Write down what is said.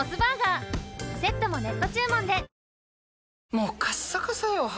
もうカッサカサよ肌。